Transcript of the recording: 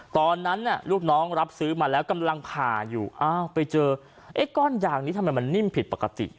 ตอนนั้นลูกน้องรับซื้อมาแล้วกำลังผ่าอยู่อ้าวไปเจอไอ้ก้อนยางนี้ทำไมมันนิ่มผิดปกติ